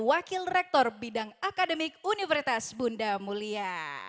wakil rektor bidang akademik universitas bunda mulia